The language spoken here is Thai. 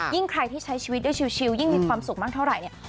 ใครที่ใช้ชีวิตได้ชิวยิ่งมีความสุขมากเท่าไหร่เนี่ย